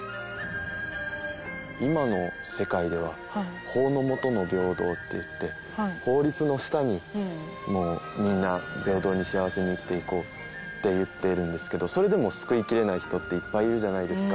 今の世界では法の下の平等っていって法律の下にもうみんな平等に幸せに生きていこうっていってるんですけどそれでも救いきれない人っていっぱいいるじゃないですか。